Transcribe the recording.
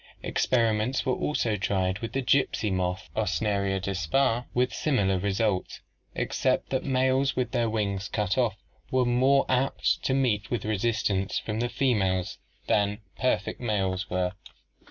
Experiments were also tried with the gypsy moth (Ocneria dispar) with similar results except that males with their wings cut off were more apt to meet with resistance from the females than perfect males were.